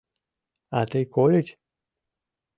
— А тый кольыч?